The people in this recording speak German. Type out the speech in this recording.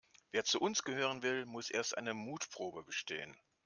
Wer zu uns gehören will, muss erst eine Mutprobe bestehen.